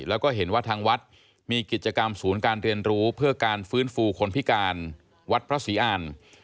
แล้วก็เห็นว่าทางวัดมีกิจกรรมศูนย์การเรียนรู้เพื่อการฟื้นฟูคนพิการวัดพระศรีอ่าน